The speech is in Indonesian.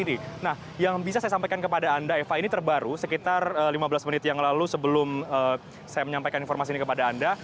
nah yang bisa saya sampaikan kepada anda eva ini terbaru sekitar lima belas menit yang lalu sebelum saya menyampaikan informasi ini kepada anda